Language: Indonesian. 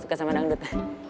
suka sama dangdut